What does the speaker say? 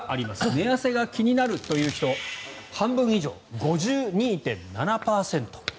寝汗が気になるという人半分以上、５２．７％。